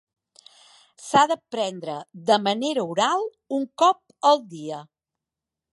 S'ha de prendre de manera oral un cop al dia.